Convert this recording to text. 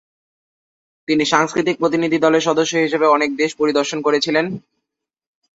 তিনি সাংস্কৃতিক প্রতিনিধি দলের সদস্য হিসাবে অনেক দেশ পরিদর্শন করেছিলেন।